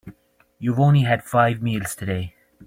You've only had five meals today.